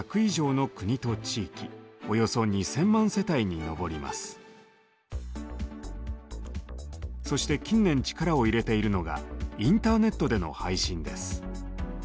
現在は視聴可能な範囲はそして近年力を入れているのがインターネットでの配信です。